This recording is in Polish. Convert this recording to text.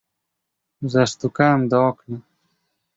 "Zastukałem do okna."